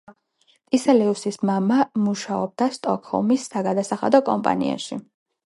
ტისელიუსის მამა მუშაობდა სტოკჰოლმის საგადასახადო კომპანიაში.